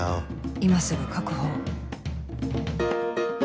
今すぐ確保を